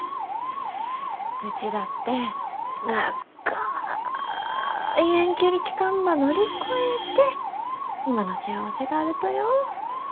うちだって長い遠距離期間ば乗り越えて今の幸せがあるとよ。